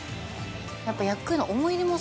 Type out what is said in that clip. やっぱ。